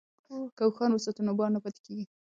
که اوښان وساتو نو بار نه پاتې کیږي.